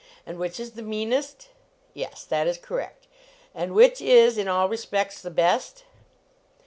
And which is the meanest ? Yes ; that is correct. And which is, in all respects, the best